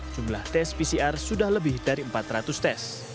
jumlah tes pcr sudah lebih dari empat ratus tes